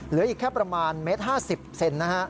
เหลืออีกแค่ประมาณ๑๕๐เซนติเซนติเซนติ